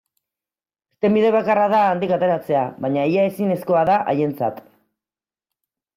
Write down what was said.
Irtenbide bakarra da handik ateratzea, baina ia ezinezkoa da haientzat.